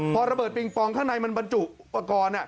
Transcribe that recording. พอระเบิดปิงปองข้างในมันบรรจุอุปกรณ์